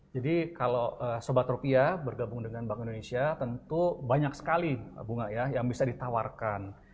jadi kalau sobat rupiah bergabung dengan bank indonesia tentu banyak sekali bunga ya yang bisa ditawarkan